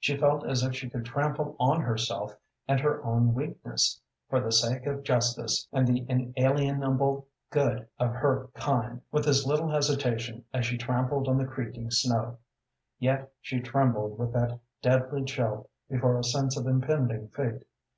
She felt as if she could trample on herself and her own weakness, for the sake of justice and the inalienable good of her kind, with as little hesitation as she trampled on the creaking snow. Yet she trembled with that deadly chill before a sense of impending fate.